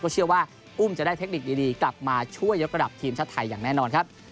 เชื่อว่าอุ้มจะได้เทคนิคดีกลับมาช่วยยกระดับทีมชาติไทยอย่างแน่นอนครับ